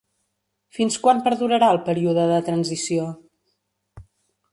Fins quan perdurarà el període de transició?